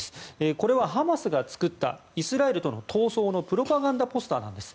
これはハマスが作ったイスラエルとの闘争のプロパガンダポスターです。